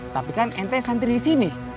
tapi kan ente santri di sini